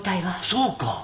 そうか！